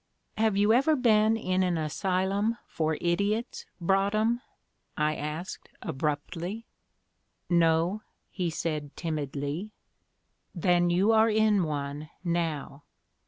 Have you ever been in an asylum for idiots, Broadhem?" I asked, abruptly. "No," he said, timidly. "Then you are in one now.